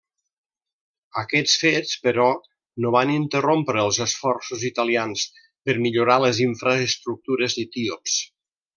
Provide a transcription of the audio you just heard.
Aquests fets, però, no van interrompre els esforços italians per millorar les infraestructures etíops.